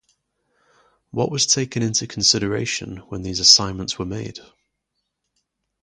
What was taken into consideration when these assignments were made?